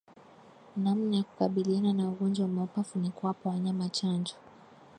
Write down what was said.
Namna ya kukabiliana na ugonjwa wa mapafu ni kuwapa wanyama chanjo